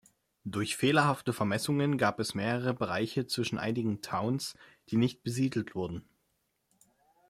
Durch fehlerhafte Vermessungen gab es mehrere Bereiche zwischen einigen "towns", die nicht besiedelt wurden.